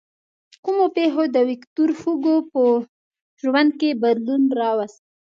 کومو پېښو د ویکتور هوګو په ژوند کې بدلون راوست.